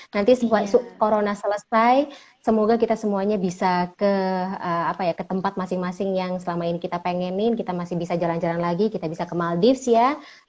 nanti corona selesai semoga kita semuanya bisa ke tempat masing masing yang selama ini kita pengenin kita masih bisa jalan jalan lagi kita bisa ke maldives ya